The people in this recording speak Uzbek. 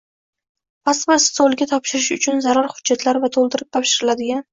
Pasport stoliga topshirish uchun zarur hujjatlar va to‘ldirib topshiriladigan